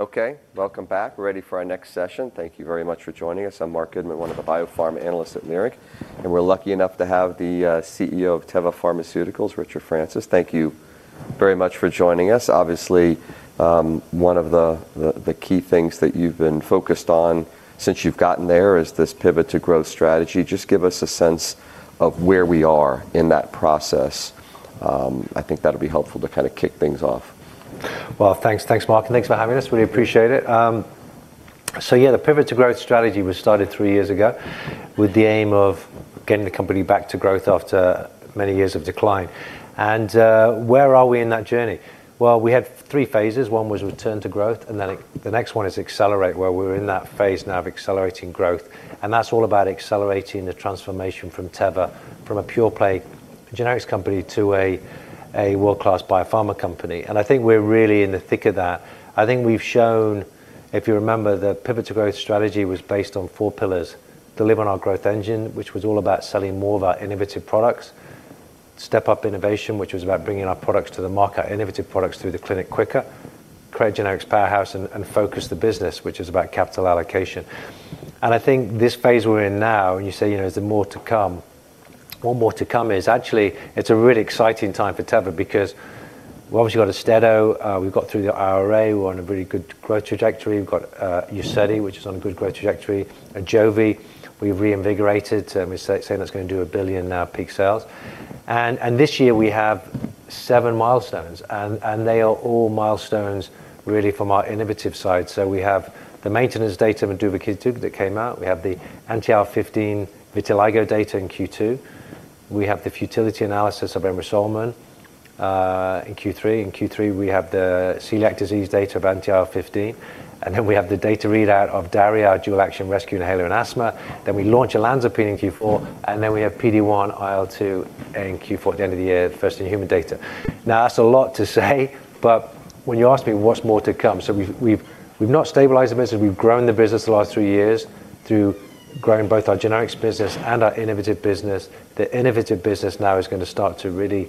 Okay, welcome back. We're ready for our next session. Thank you very much for joining us. I'm Marc Goodman, one of the biopharma analysts at Leerink Partners. We're lucky enough to have the CEO of Teva Pharmaceutical Industries, Richard Francis. Thank you very much for joining us. Obviously, one of the key things that you've been focused on since you've gotten there is this Pivot to Growth strategy. Just give us a sense of where we are in that process. I think that'll be helpful to kinda kick things off. Well, thanks. Thanks, Marc, and thanks for having us. Really appreciate it. So yeah, the Pivot to Growth strategy was started three years ago with the aim of getting the company back to growth after many years of decline. Where are we in that journey? Well, we had three phases. One was return to growth, and then the next one is accelerate, where we're in that phase now of accelerating growth. That's all about accelerating the transformation from Teva from a pure-play generics company to a world-class biopharma company. I think we're really in the thick of that. I think we've shown, if you remember, the Pivot to Growth strategy was based on four pillars: deliver on our growth engine, which was all about selling more of our innovative products, step up innovation, which was about bringing our products to the market, innovative products through the clinic quicker, create a generics powerhouse, and focus the business, which is about capital allocation. I think this phase we're in now, you know, is there more to come? Well, more to come is actually it's a really exciting time for Teva because obviously you've got AUSTEDO. We've got through the IRA. We're on a really good growth trajectory. We've got UZEDY, which is on a good growth trajectory. AJOVY, we reinvigorated, we're saying that's gonna do $1 billion now peak sales. This year we have seven milestones, and they are all milestones really from our innovative side. We have the maintenance data of duvakitug that came out. We have the Anti-IL-15 vitiligo data in Q2. We have the futility analysis of emricasan in Q3. In Q3, we have the celiac disease data of Anti-IL-15. Then we have the data readout of DARI, our dual-action rescue inhaler in asthma. Then we launch olanzapine in Q4, then we have PD1 IL-2 in Q4 at the end of the year, first in human data. That's a lot to say, but when you ask me what's more to come. We've not stabilized the business. We've grown the business the last three years through growing both our generics business and our innovative business. The innovative business now is gonna start to really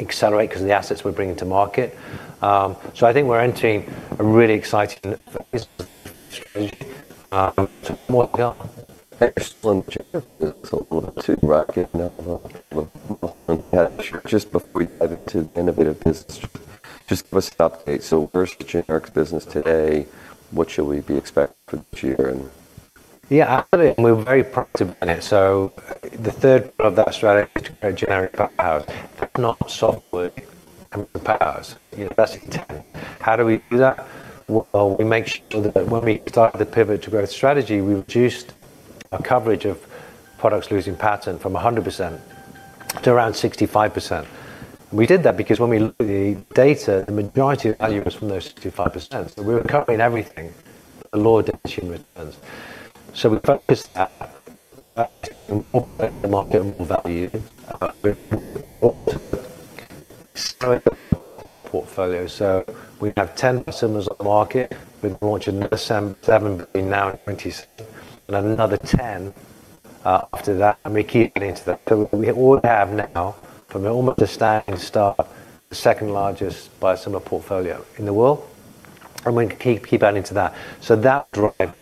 accelerate 'cause of the assets we're bringing to market. I think we're entering a really exciting phase of the strategy to what we are. Excellent. Just a little to wrap your head up. Just before we dive into innovative business, just give us an update. Where's the generics business today? What should we be expecting for this year? Absolutely, and we're very proactive in it. The third part of that strategy is to create a generic powerhouse. If not soft work powers. That's intent. How do we do that? Well, we make sure that when we start the Pivot to Growth strategy, we reduced our coverage of products losing patent from 100% to around 65%. We did that because when we look at the data, the majority of value was from those 65%. We were covering everything at a lower returns. We focused that market more value. portfolio. We have 10 biosimilars on the market. We've been launching another seven between now and 2026 and another 10 after that, and we're keeping into that. We ought to have now from almost a standing start, the second-largest biosimilar portfolio in the world, and we keep adding to that. That drive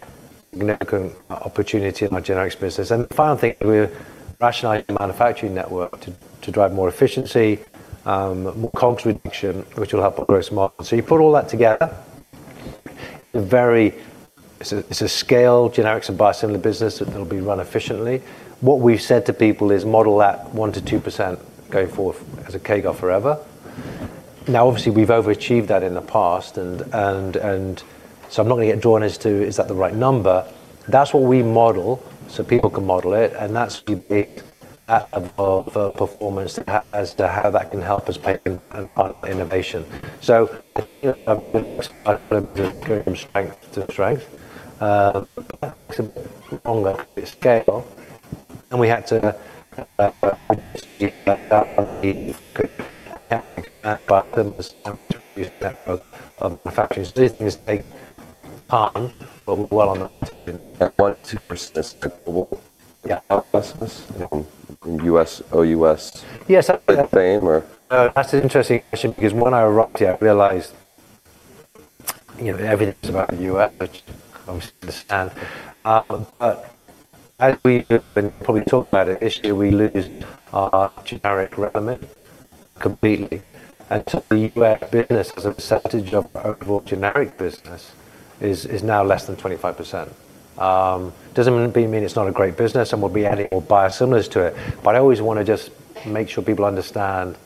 significant opportunity in our generics business. The final thing, we're rationalizing the manufacturing network to drive more efficiency, more COGS reduction, which will help our gross margin. You put all that together, it's a scale generics and biosimilar business that'll be run efficiently. What we've said to people is model that 1%-2% going forward as a CAGR forever. Obviously, we've overachieved that in the past and so I'm not gonna get drawn as to is that the right number. That's what we model so people can model it, and that's the big of our performance as to how that can help us pay on innovation. Going from strength to strength. Scale, and we had to manufacturers. These things take time, but we're well on that. That one to persist. Yeah. U.S., OUS- Yes. -frame or? No, that's an interesting question because when I arrived here, I realized, you know, everything's about the U.S., which obviously I understand. As we've been probably talking about it, this year we lose our generic remnant completely. To the U.S. business as a percentage of our overall generic business is now less than 25%. Doesn't mean it's not a great business, and we'll be adding more biosimilars to it. I always wanna just make sure people understand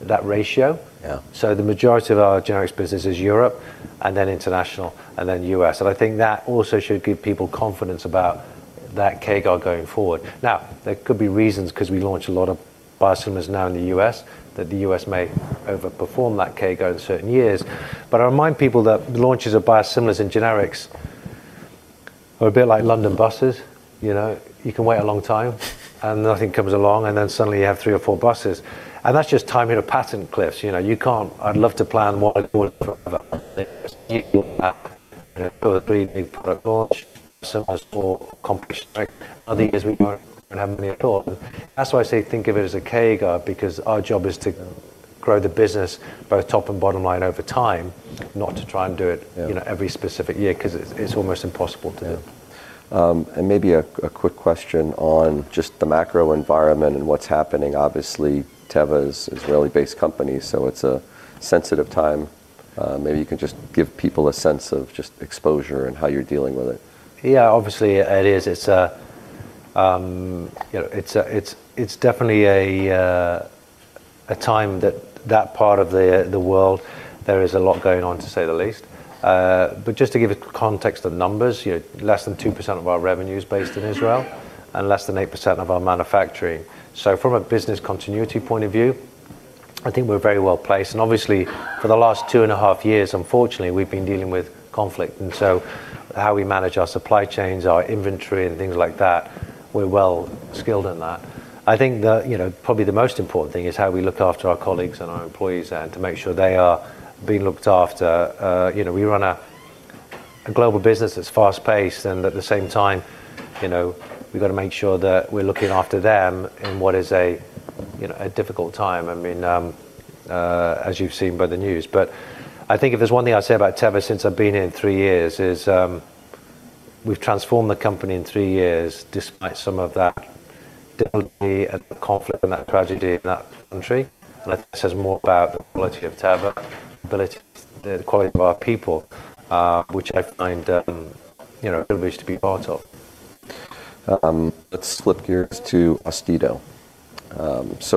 that ratio. Yeah. The majority of our generics business is Europe, then international, then U.S. I think that also should give people confidence about that CAGR going forward. Now, there could be reasons because we launch a lot of biosimilars now in the U.S., that the U.S. may overperform that CAGR in certain years. I remind people that launches of biosimilars and generics are a bit like London buses. You know, you can wait a long time, nothing comes along, then suddenly you have three or four buses. That's just timing of patent cliffs. You know, I'd love to plan what, you know, three new product launch, so much more accomplished, right? Other years we don't have many at all. That's why I say think of it as a CAGR, because our job is to grow the business both top and bottom line over time, not to try and do it. Yeah. You know, every specific year, 'cause it's almost impossible to do. Yeah. Maybe a quick question on just the macro environment and what's happening. Obviously, Teva is Israeli-based company, so it's a sensitive time. Maybe you can just give people a sense of just exposure and how you're dealing with it. Yeah, obviously it is. It's, you know, it's definitely a time that part of the world there is a lot going on, to say the least. Just to give it context of numbers, you know, less than 2% of our revenue is based in Israel and less than 8% of our manufacturing. From a business continuity point of view, I think we're very well-placed. Obviously, for the last 2.5 years, unfortunately, we've been dealing with conflict, how we manage our supply chains, our inventory and things like that, we're well-skilled in that. I think the, you know, probably the most important thing is how we look after our colleagues and our employees and to make sure they are being looked after. You know, we run a global business that's fast-paced, and at the same time, you know, we've got to make sure that we're looking after them in what is a, you know, a difficult time. I mean, as you've seen by the news. I think if there's one thing I'd say about Teva since I've been here three years is, we've transformed the company in three years despite some of that difficulty and conflict and that tragedy in that country. I think it says more about the quality of Teva, the quality of our people, which I find, you know, a privilege to be part of. Let's flip gears to AUSTEDO.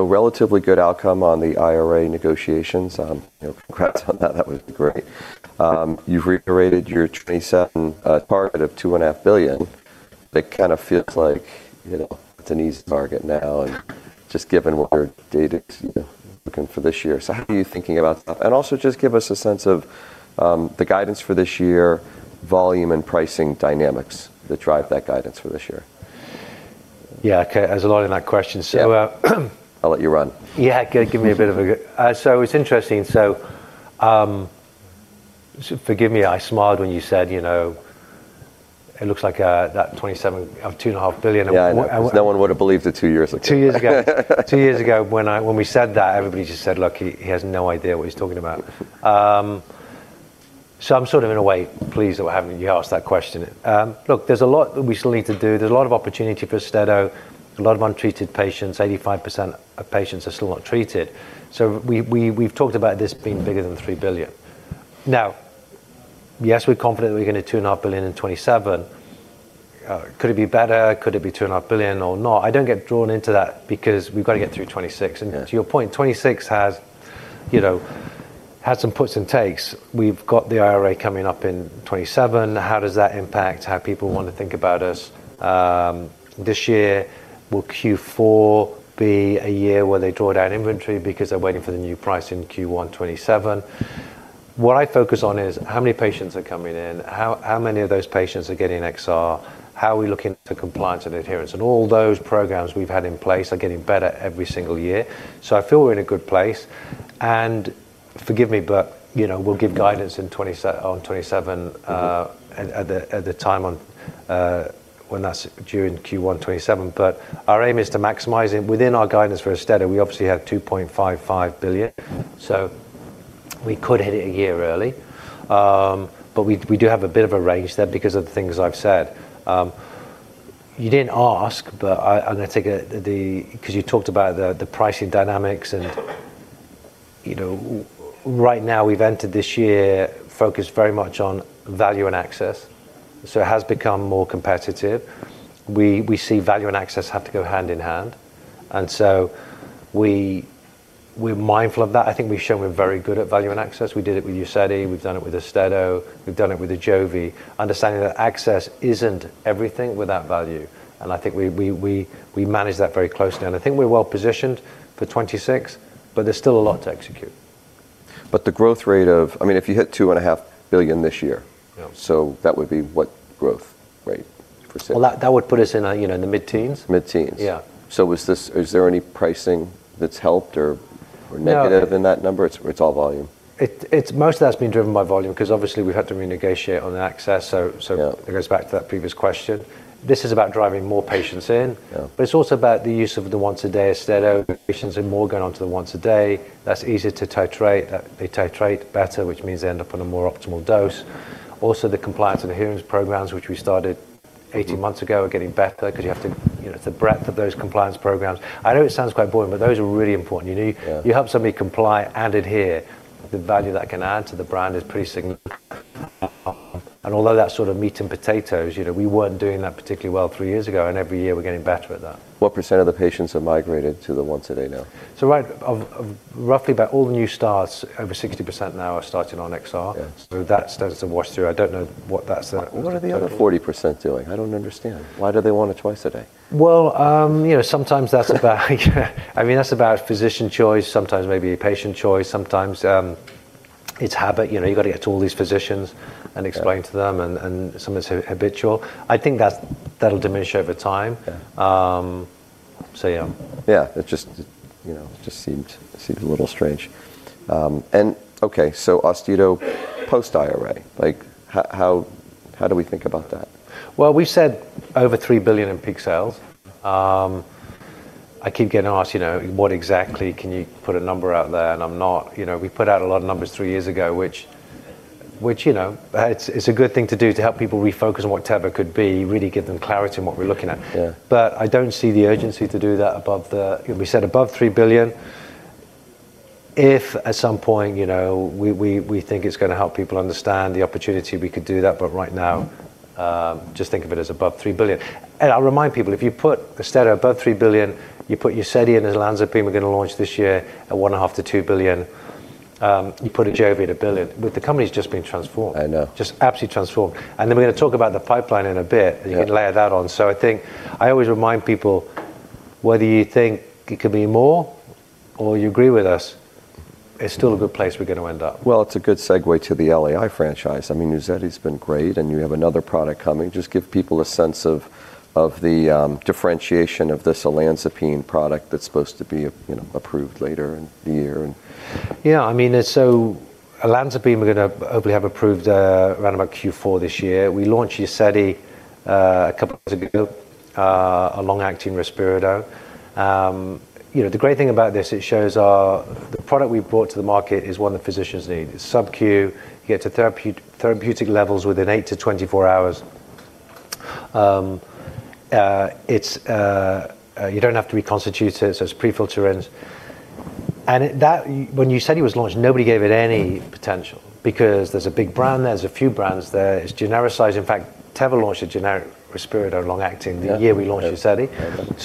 Relatively good outcome on the IRA negotiations. You know, congrats on that. That was great. You've reiterated your 2027 target of $2.5 billion. That kind of feels like, you know, it's an easy target now and just given what our data's, you know, looking for this year. How are you thinking about that? Also just give us a sense of the guidance for this year, volume and pricing dynamics that drive that guidance for this year. Okay. There's a lot in that question. Yeah. So, uh I'll let you run. Yeah. Give me a bit of a... It's interesting. Forgive me, I smiled when you said, you know, it looks like, that 27, $2.5 billion. Yeah. 'Cause no one would have believed it two years ago. Two years ago. Two years ago when we said that, everybody just said, "Look, he has no idea what he's talking about." I'm sort of in a way pleased at having you ask that question. Look, there's a lot that we still need to do. There's a lot of opportunity for AUSTEDO, a lot of untreated patients. 85% of patients are still not treated. We've talked about this being bigger than $3 billion. Now, yes, we're confident we're gonna hit $2.5 billion in 2027. Could it be better? Could it be $2.5 billion or not? I don't get drawn into that because we've got to get through 2026. Yeah. To your point, 2026 has, you know, had some puts and takes. We've got the IRA coming up in 2027. How does that impact how people want to think about us this year? Will Q4 be a year where they draw down inventory because they're waiting for the new price in Q1 2027? What I focus on is how many patients are coming in, how many of those patients are getting XR, how are we looking for compliance and adherence? All those programs we've had in place are getting better every single year. I feel we're in a good place. Forgive me, but, you know, we'll give guidance on 2027 at the time when that's due in Q1 2027. Our aim is to maximize it. Within our guidance for AUSTEDO, we obviously have $2.55 billion. We could hit it a year early. We do have a bit of a range there because of the things I've said. You didn't ask, but I'm going to take it because you talked about the pricing dynamics and, you know, right now we've entered this year focused very much on value and access. It has become more competitive. We see value and access have to go hand in hand. We're mindful of that. I think we've shown we're very good at value and access. We did it with UZEDY, we've done it with AUSTEDO, we've done it with AJOVY, understanding that access isn't everything without value. I think we manage that very closely. I think we're well-positioned for 2026, but there's still a lot to execute. I mean, if you hit $2.5 billion this year. Yeah. That would be what growth rate %? That would put us in, you know, in the mid-teens. Mid-teens. Yeah. Is there any pricing that's helped or negative? No. In that number? It's all volume. It's most of that's been driven by volume, 'cause obviously we had to renegotiate on the access. Yeah. It goes back to that previous question. This is about driving more patients in. Yeah. It's also about the use of the once a day AUSTEDO. Patients are more going onto the once a day. That's easier to titrate. They titrate better, which means they end up on a more optimal dose. Also, the compliance and adherence programs, which we started 18 months ago are getting better 'cause you have to, you know, it's the breadth of those compliance programs. I know it sounds quite boring, but those are really important. You know. Yeah. You help somebody comply and adhere, the value that can add to the brand is pretty significant. Although that's sort of meat and potatoes, you know, we weren't doing that particularly well three years ago, and every year we're getting better at that. What percent of the patients have migrated to the once a day now? Of roughly about all the new starts, over 60% now are starting on XR. Yeah. That starts to wash through. I don't know what that's at. What are the other 40% doing? I don't understand. Why do they want it twice a day? You know, sometimes that's about I mean, that's about physician choice. Sometimes maybe patient choice. Sometimes, it's habit. You know, you've got to get to all these physicians and explain to them. Yeah. Some of it's habitual. I think that's that'll diminish over time. Yeah. Um-Say, um- Yeah. It just, you know, just seemed a little strange. Okay, AUSTEDO post IRA. Like, how do we think about that? We said over $3 billion in peak sales. I keep getting asked, you know, what exactly can you put a number out there? You know, we put out a lot of numbers three years ago, which, you know, it's a good thing to do to help people refocus on what Teva could be, really give them clarity on what we're looking at. Yeah. I don't see the urgency to do that above We said above $3 billion. If at some point, you know, we think it's gonna help people understand the opportunity, we could do that. Right now, just think of it as above $3 billion. I'll remind people, if you put AUSTEDO above $3 billion, you put UZEDY and olanzapine we're gonna launch this year at $1.5 billion-$2 billion, you put AJOVY at $1 billion. The company's just been transformed. I know. Just absolutely transformed. Then we're going to talk about the pipeline in a bit. Yeah. You can layer that on. I think I always remind people whether you think it could be more or you agree with us, it's still a good place we're gonna end up. Well, it's a good segue to the LAI franchise. I mean, UZEDY's been great, and you have another product coming. Just give people a sense of the differentiation of this olanzapine product that's supposed to be, you know, approved later in the year... I mean, so olanzapine we're gonna hopefully have approved around about Q4 this year. We launched UZEDY a couple of months ago, a long-acting risperidone. You know, the great thing about this, the product we've brought to the market is one the physicians need. It's sub-Q. You get to therapeutic levels within 8-24 hours. You don't have to reconstitute it, so it's pre-filled syringe. When UZEDY was launched, nobody gave it any potential because there's a big brand, there's a few brands there. It's genericized. In fact, Teva launched a generic risperidone long acting- Yeah ...the year we launched UZEDY. I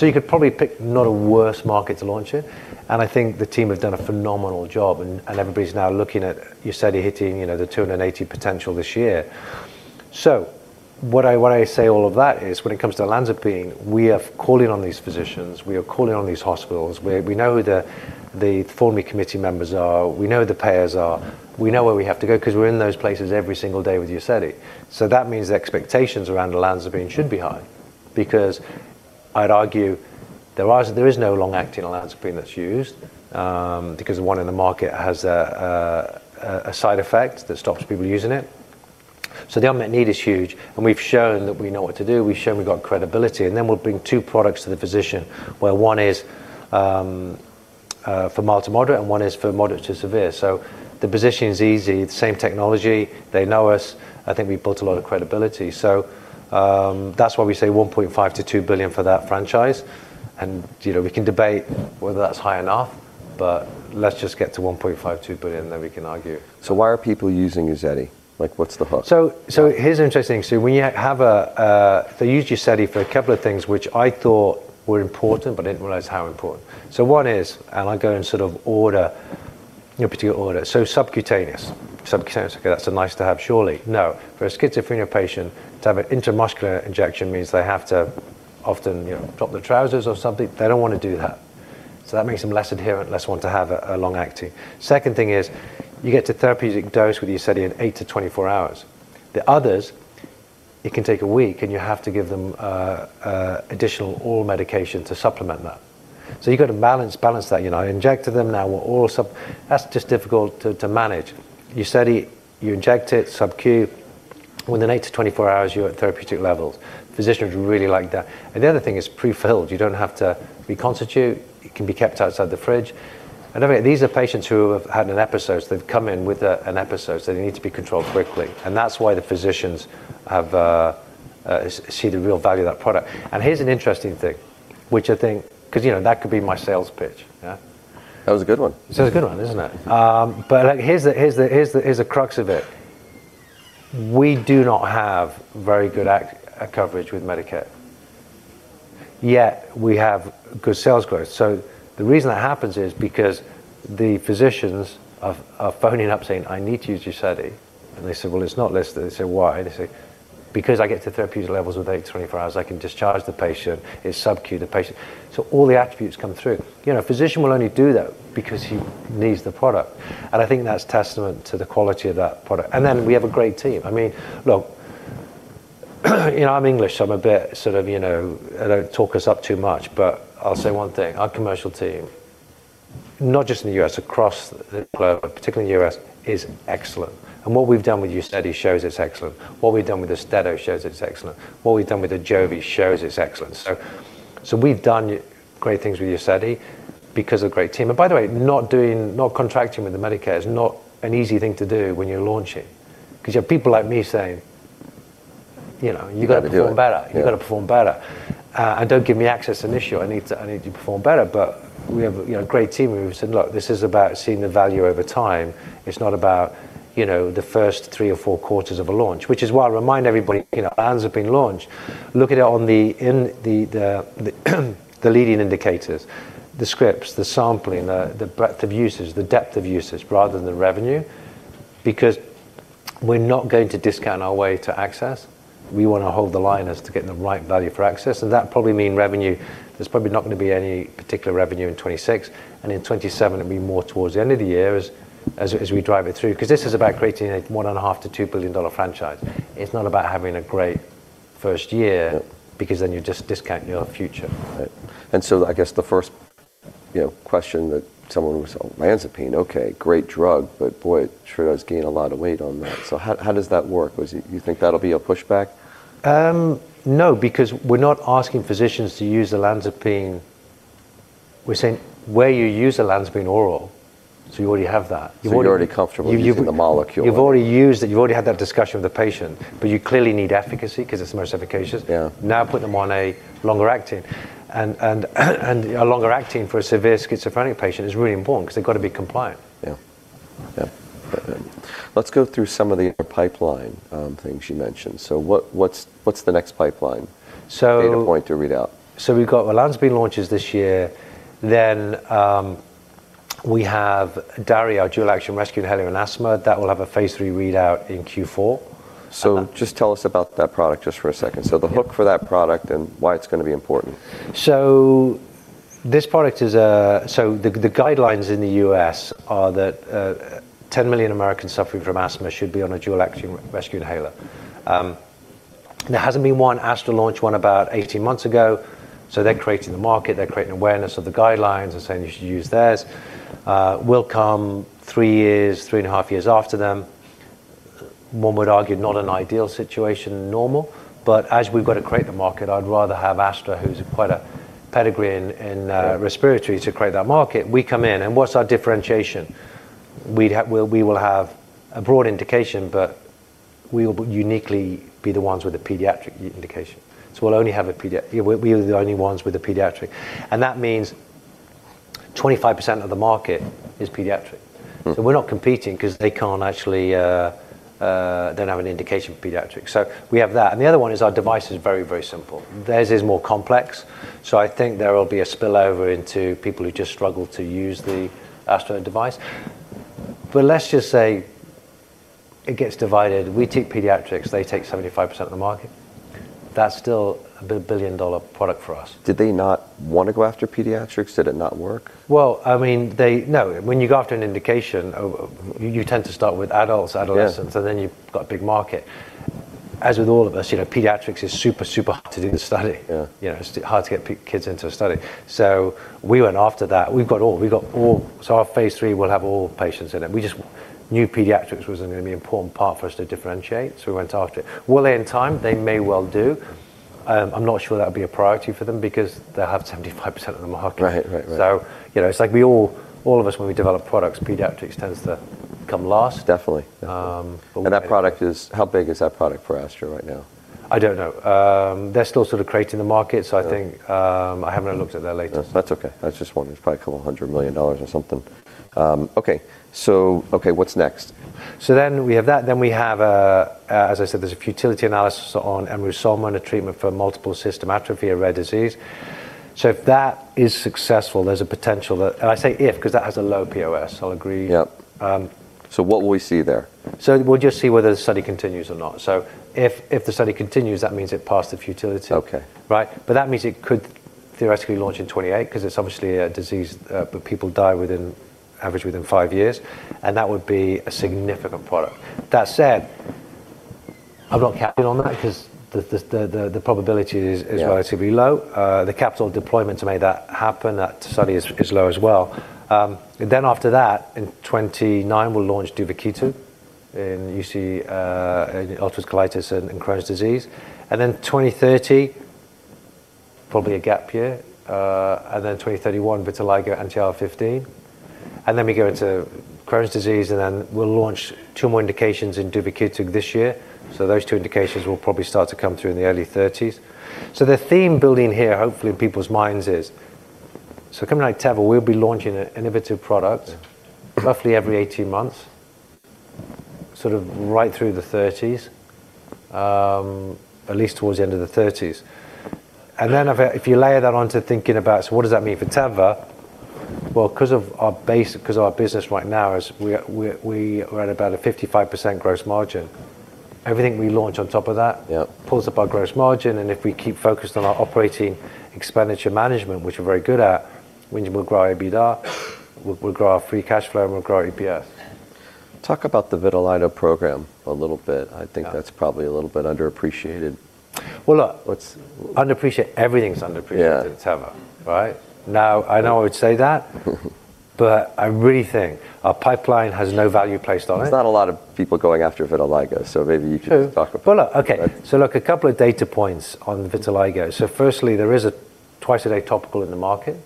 know. You could probably pick not a worse market to launch in, and I think the team have done a phenomenal job and everybody's now looking at UZEDY hitting, you know, the $280 potential this year. What I say all of that is when it comes to olanzapine, we are calling on these physicians, we are calling on these hospitals. We know who the formerly committee members are, we know who the payers are. We know where we have to go 'cause we're in those places every single day with UZEDY. That means the expectations around olanzapine should be high, because I'd argue there is no long-acting olanzapine that's used, because the one in the market has a side effect that stops people using it. The unmet need is huge, and we've shown that we know what to do. We've shown we've got credibility. We'll bring two products to the physician where one is for mild to moderate and one is for moderate to severe. The position is easy. It's the same technology. They know us. I think we've built a lot of credibility. That's why we say $1.5 billion-$2 billion for that franchise. You know, we can debate whether that's high enough. Let's just get to $1.5 billion-$2 billion, then we can argue. Why are people using UZEDY? Like, what's the hook? Here's an interesting. They use UZEDY for a couple of things which I thought were important, but I didn't realize how important. One is, and I go in sort of order, you know, particular order. Subcutaneous. Subcutaneous, okay, that's a nice-to-have surely. No. For a schizophrenia patient to have an intramuscular injection means they have to often, you know, drop their trousers or something. They don't wanna do that. That makes them less adherent, less want to have a long-acting. Second thing is, you get to therapeutic dose with UZEDY in 8 to 24 hours. The others, it can take a week, and you have to give them additional oral medication to supplement that. You've got to balance that. You know, I injected them, now oral sub. That's just difficult to manage. UZEDY, you inject it sub-Q. Within 8 to 24 hours, you're at therapeutic levels. Physicians really like that. The other thing, it's pre-filled. You don't have to reconstitute. It can be kept outside the fridge. Don't forget, these are patients who have had an episode, so they've come in with an episode, so they need to be controlled quickly, and that's why the physicians have see the real value of that product. Here's an interesting thing, which I think... Cause, you know, that could be my sales pitch, yeah? That was a good one. It was a good one, isn't it? Here's the crux of it. We do not have very good coverage with Medicare, yet we have good sales growth. The reason that happens is because the physicians are phoning up saying, "I need to use UZEDY." They say, "Well, it's not listed." They say, "Why?" They say, "Because I get to therapeutic levels within 8 to 24 hours. I can discharge the patient. It's sub-Q. The patient." All the attributes come through. You know, a physician will only do that because he needs the product, and I think that's testament to the quality of that product. We have a great team. I mean, look, you know, I'm English, so I'm a bit sort of, you know. I don't talk us up too much, but I'll say one thing. Our commercial team, not just in the U.S., across the globe, but particularly in the U.S., is excellent. What we've done with UZEDY shows it's excellent. What we've done with AUSTEDO shows it's excellent. What we've done with AJOVY shows it's excellent. We've done great things with UZEDY because of the great team. By the way, not contracting with the Medicare is not an easy thing to do when you're launching, 'cause you have people like me saying, you know. You gotta do it. ...you gotta perform better. Yeah. You gotta perform better. Don't give me access and issue. I need you to perform better. We have, you know, a great team. We've said, "Look, this is about seeing the value over time. It's not about, you know, the first three or four quarters of a launch." Which is why I remind everybody, you know, olanzapine launch, look at it on the, in the, the leading indicators, the scripts, the sampling, the breadth of usage, the depth of usage rather than the revenue. We're not going to discount our way to access. We wanna hold the line as to getting the right value for access, that probably mean revenue. There's probably not gonna be any particular revenue in 2026. In 2027, it'll be more towards the end of the year as we drive it through, 'cause this is about creating a one and a half to $2 billion franchise. It's not about having a great first year. Yep ...because then you just discount your future. I guess the first you know, question that someone who's, oh, olanzapine, okay, great drug, but boy, sure does gain a lot of weight on that. How does that work? You think that'll be a pushback? no, because we're not asking physicians to use olanzapine. We're saying where you use olanzapine oral, so you already have that. You're already comfortable... You've. using the molecule. You've already used it. You've already had that discussion with the patient, but you clearly need efficacy 'cause it's the most efficacious. Yeah. Now put them on a longer acting. A longer acting for a severe schizophrenic patient is really important 'cause they've gotta be compliant. Yeah. Yeah. Let's go through some of the other pipeline things you mentioned. What's the next pipeline? So- data point to read out? We've got olanzapine launches this year. We have DARI, dual-action rescue inhaler in asthma. That will have a phase III readout in Q4. Just tell us about that product just for a second. Yeah. The hook for that product and why it's gonna be important. The guidelines in the U.S. are that 10 million Americans suffering from asthma should be on a dual-action rescue inhaler. There hasn't been one. AstraZeneca launched one about 18 months ago, they're creating the market, they're creating awareness of the guidelines and saying you should use theirs. We'll come three years, three and a half years after them. One would argue not an ideal situation normal, as we've gotta create the market, I'd rather have AstraZeneca, who's quite a pedigree in. Sure... respiratory to create that market. We come in, what's our differentiation? We will have a broad indication, but we'll uniquely be the ones with the pediatric indication. We'll only have a We are the only ones with the pediatric. That means 25% of the market is pediatric. Mm. We're not competing 'cause they can't actually don't have an indication for pediatric. We have that. The other one is our device is very, very simple. Theirs is more complex. I think there will be a spillover into people who just struggle to use the AstraZeneca device. Let's just say it gets divided. We take pediatrics, they take 75% of the market. That's still a $1 billion product for us. Did they not wanna go after pediatrics? Did it not work? Well, I mean, No. When you go after an indication, you tend to start with adults, adolescents. Yeah... and then you've got a big market. As with all of us, you know, pediatrics is super hard to do the study. Yeah. You know, it's hard to get kids into a study. We went after that. We've got all. Our phase three will have all patients in it. We just knew pediatrics was gonna be an important part for us to differentiate, so we went after it. Will they in time? They may well do. I'm not sure that'll be a priority for them because they have 75% of the market. Right. Right. Right. You know, it's like we all of us when we develop products, pediatrics tends to come last. Definitely. we- How big is that product for AstraZeneca right now? I don't know. They're still sort of creating the market. Yeah I haven't looked at their latest. No, that's okay. I just wondered. It's probably a couple hundred million dollars or something. Okay. Okay, what's next? We have that. We have a... As I said, there's a futility analysis on emrusolmin on a treatment for multiple system atrophy, a rare disease. If that is successful, there's a potential that... I say if, 'cause that has a low POS, I'll agree. Yep. Um- What will we see there? We'll just see whether the study continues or not. If the study continues, that means it passed the futility. Okay. Right? That means it could theoretically launch in 2028 'cause it's obviously a disease, but people die within, average within five years, and that would be a significant product. That said, I've got capital on that because the probability is relatively low. Yeah. The capital deployment to make that happen, that study is low as well. After that, in 2029, we'll launch duvakitug in UC, in ulcerative colitis and in Crohn's disease. 2030, probably a gap year. 2031, vitiligo and TEV-'48125. We go into Crohn's disease, we'll launch two more indications in duvakitug this year. Those two indications will probably start to come through in the early 2030s. The theme building here, hopefully in people's minds, is so a company like Teva will be launching an innovative product- Yeah... roughly every 18 months, sort of right through the 30s, at least towards the end of the 30s. If you layer that onto thinking about, what does that mean for Teva? 'cause of our base, 'cause our business right now is we are at about a 55% gross margin. Everything we launch on top of that- Yeah... pulls up our gross margin, and if we keep focused on our operating expenditure management, which we're very good at, we'll grow EBITDA, we'll grow our free cash flow, and we'll grow EPS. Talk about the vitiligo program a little bit. Yeah. I think that's probably a little bit underappreciated. Well. Let's- Underappreciated? Everything's underappreciated at Teva. Yeah. Right? I know I would say that. I really think our pipeline has no value placed on it. There's not a lot of people going after vitiligo, so maybe you could. True... talk a bit. Well, look. Okay. Okay. Look, a couple of data points on vitiligo. Firstly, there is a twice-a-day topical in the market,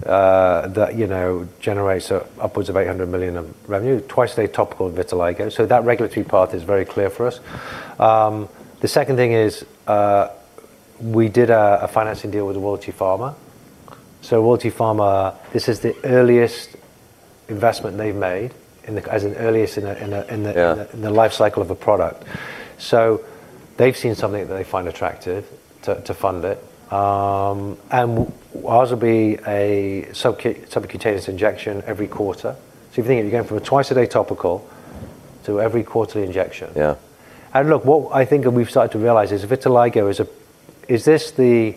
that, you know, generates upwards of $800 million of revenue, twice-a-day topical vitiligo, so that regulatory path is very clear for us. The second thing is, we did a financing deal with Royalty Pharma. Royalty Pharma, this is the earliest investment they've made in the... as in earliest in the. Yeah... in the lifecycle of a product. They've seen something that they find attractive to fund it. And ours will be a subcutaneous injection every quarter. If you think you're going from a twice-a-day topical to every quarterly injection. Yeah. Look, what I think and we've started to realize is vitiligo Is this the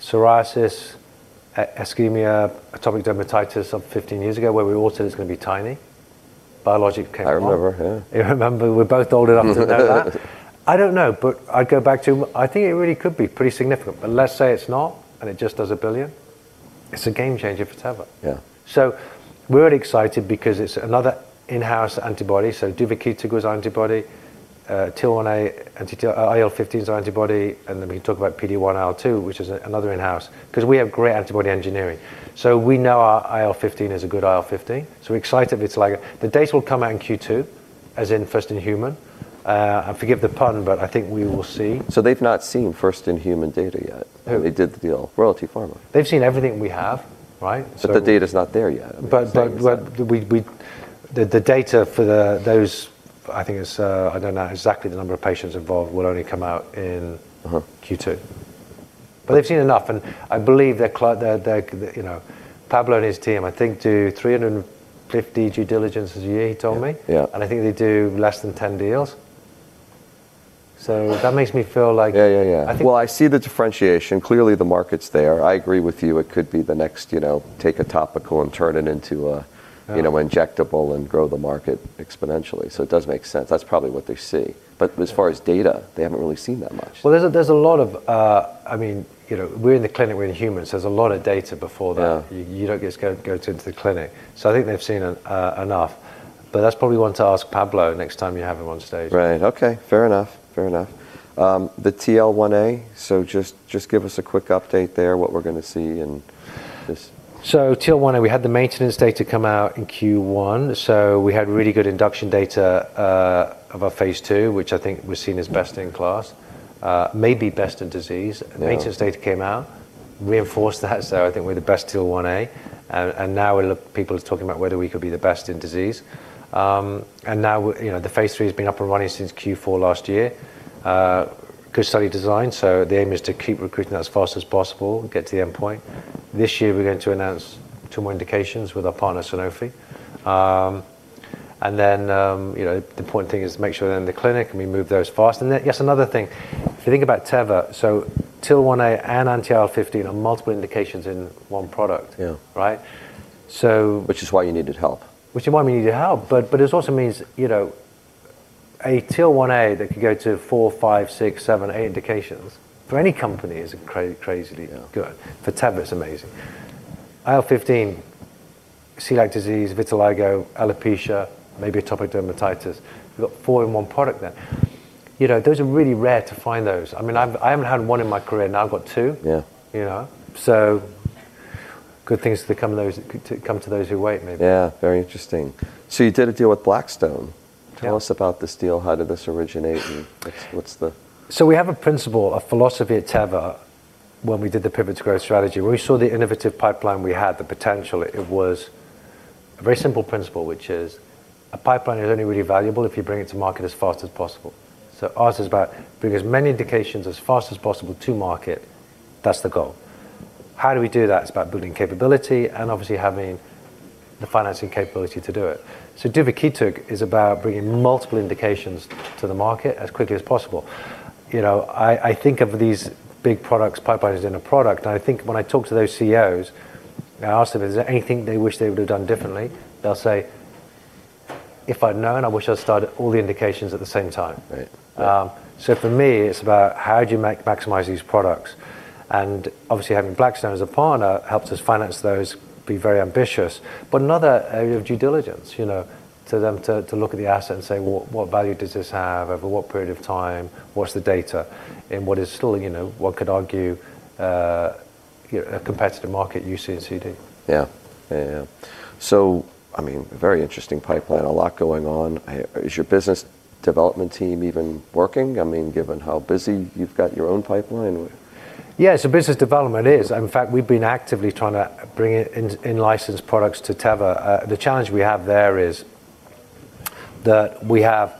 psoriasis, eczema, atopic dermatitis of 15 years ago, where we all said it's gonna be tiny? biologic came on. I remember, yeah. You remember? We're both old enough to know that. I don't know, but I'd go back to... I think it really could be pretty significant. Let's say it's not, and it just does $1 billion, it's a game changer for Teva. Yeah. We're excited because it's another in-house antibody, duvakitug is our antibody, TL1A IL-15's our antibody, and then we can talk about PD-1/IL-2, which is another in-house. We have great antibody engineering. We know our IL-15 is a good IL-15, we're excited, but it's like. The data will come out in Q2, as in first in human. Forgive the pun, but I think we will see. They've not seen first in human data yet? No. They did the deal, Royalty Pharma. They've seen everything we have, right? The data's not there yet. I'm just saying. The data for those, I think it's. I don't know exactly the number of patients involved, will only come out in- Uh-huh... Q2. They've seen enough, and I believe that, you know, Pablo and his team I think do 350 due diligences a year, he told me. Yeah, yeah. I think they do less than 10 deals. That makes me feel like- Yeah, yeah. I think- Well, I see the differentiation. Clearly, the market's there. I agree with you, it could be the next, you know, take a topical and turn it into. Yeah... you know, injectable and grow the market exponentially, so it does make sense. That's probably what they see. As far as data, they haven't really seen that much. Well, there's a lot of, I mean, you know, we're in the clinic with humans. There's a lot of data before that. Yeah. You don't just go to into the clinic. I think they've seen enough. That's probably one to ask Pablo next time you have him on stage. Right, okay. Fair enough, fair enough. The TL1A, just give us a quick update there, what we're gonna see in this. TL1A, we had the maintenance data come out in Q1, so we had really good induction data of our Phase 2, which I think was seen as best in class, maybe best in disease. Yeah. Maintenance data came out, reinforced that, so I think we're the best TL1A. Now people are talking about whether we could be the best in disease. Now, you know, the phase III's been up and running since Q4 last year. Good study design, so the aim is to keep recruiting as fast as possible, get to the endpoint. This year we're going to announce two more indications with our partner Sanofi. You know, the important thing is to make sure they're in the clinic and we move those fast. Yes, another thing. If you think about Teva, so TL1A and anti-IL-15 are multiple indications in one product. Yeah. Right? Which is why you needed help. Which is why we needed help, but this also means, you know, a TL1A that could go to four, five, six, seven, eight indications, for any company is crazily good. Yeah. For Teva, it's amazing. IL-15, celiac disease, vitiligo, alopecia, maybe atopic dermatitis. You got four in one product then. You know, those are really rare to find those. I mean, I haven't had one in my career. Now I've got two. Yeah. You know? good things become to those, come to those who wait maybe. Yeah, very interesting. You did a deal with Blackstone. Yeah. Tell us about this deal. How did this originate? What's the. We have a principle, a philosophy at Teva when we did the Pivot to Growth strategy, where we saw the innovative pipeline we had, the potential. It was a very simple principle which is a pipeline is only really valuable if you bring it to market as fast as possible. Ours is about bring as many indications as fast as possible to market. That's the goal. How do we do that? It's about building capability and obviously having the financing capability to do it. Duvakitug is about bringing multiple indications to the market as quickly as possible. You know, I think of these big products, pipelines in a product, and I think when I talk to those CEOs and I ask them is there anything they wish they would've done differently, they'll say, "If I'd known, I wish I'd started all the indications at the same time. Right, yeah. For me, it's about how do you maximize these products? Obviously having Blackstone as a partner helps us finance those, be very ambitious. Another area of due diligence, you know, to them, to look at the asset and say, "Well, what value does this have over what period of time? What's the data in what is still, you know, what could argue, you know, a competitive market, UC&CD? Yeah, yeah. I mean, very interesting pipeline. Yeah. A lot going on. Is your business development team even working? I mean, given how busy you've got your own pipeline with. Business development is. In fact, we've been actively trying to bring in licensed products to Teva. The challenge we have there is that we have,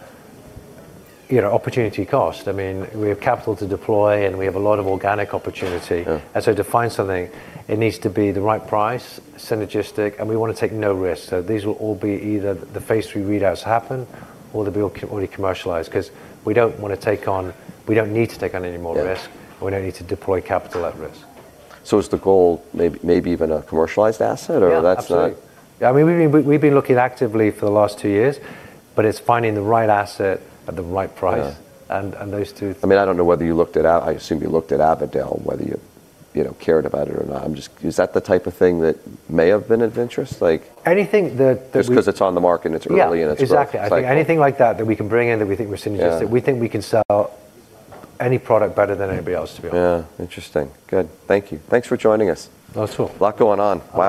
you know, opportunity cost. I mean, we have capital to deploy, and we have a lot of organic opportunity. Yeah. To find something, it needs to be the right price, synergistic, and we wanna take no risk. These will all be either the phase III readouts happen or the deal already commercialized 'cause we don't wanna take on. We don't need to take on any more risk. Yeah. We don't need to deploy capital at risk. Is the goal maybe even a commercialized asset? That's not- Yeah, absolutely. I mean, we've been looking actively for the last two years, but it's finding the right asset at the right price. Yeah. those I mean, I don't know whether you looked at Abilify, whether you know, cared about it or not. I'm just. Is that the type of thing that may have been of interest? Like. Anything that. Just 'cause it's on the market, and it's early. Yeah... and it's growth cycle. Exactly. I think anything like that we can bring in that we think we're synergistic- Yeah that we think we can sell any product better than anybody else, to be honest. Yeah. Interesting. Good. Thank you. Thanks for joining us. Oh, it's cool. Lot going on. Wow.